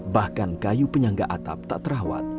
bahkan kayu penyangga atap tak terawat